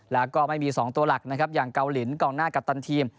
แล้วก็ไม่มี๒ตัวหลักนะครับอย่างเกาหลีกองหน้ากัปตันทีม